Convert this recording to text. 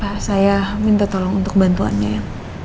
ya saya minta tolong untuk bantuannya ya